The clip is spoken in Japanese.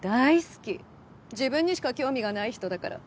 自分にしか興味がない人だから。